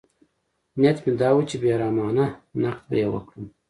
نیت مې دا و چې بې رحمانه نقد به یې وکړم.